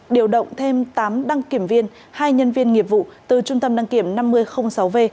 điều động thêm tám đăng kiểm viên hai nhân viên nghiệp vụ từ trung tâm đăng kiểm năm mươi sáu v